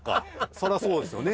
そらそうですよね。